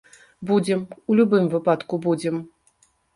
Будзем, у любым выпадку будзем.